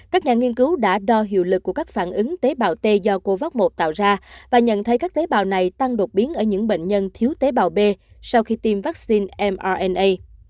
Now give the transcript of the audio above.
các nhà nghiên cứu đã đo hiệu lực của các phản ứng tế bào t do covid một tạo ra và nhận thấy các tế bào này tăng đột biến ở những bệnh nhân thiếu tế bào b sau khi tiêm vaccine mrna